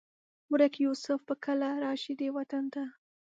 ورک یوسف به کله؟ راشي دې وطن ته